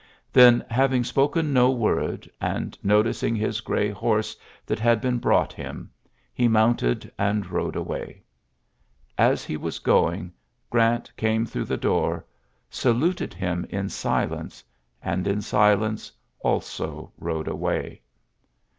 Then, having spoken no word, and no ticing his grey horse that had beea ' brought him, he mounted, and rodl: j away. As he was going, Grant camij through the door, saluted him in silence^ J and in silence also rode away.